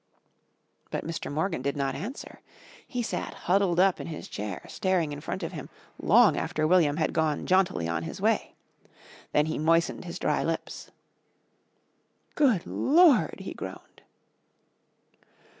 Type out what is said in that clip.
But Mr. Morgan did not answer. He sat huddled up in his chair staring in front of him long after William had gone jauntily on his way. Then he moistened his dry lips. "Good Lord," he groaned.